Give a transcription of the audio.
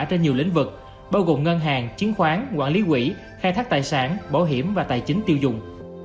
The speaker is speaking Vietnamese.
trên nhiều lĩnh vực bao gồm ngân hàng chiến khoán quản lý quỹ khai thác tài sản bảo hiểm và tài chính tiêu dùng